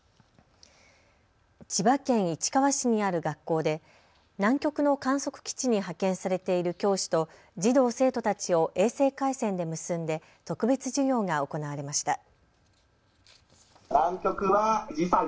千葉県市川市にある学校で南極の観測基地に派遣されている教師と児童・生徒たちを衛星回線で結んで特別授業が行われました。